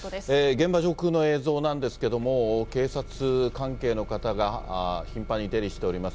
現場上空の映像なんですけれども、警察関係の方が頻繁に出入りしております。